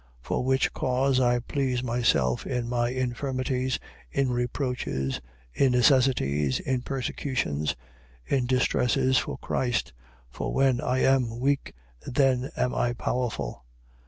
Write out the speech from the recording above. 12:10. For which cause I please myself in my infirmities, in reproaches, in necessities, in persecutions, in distresses, for Christ. For when I am weak, then am I powerful.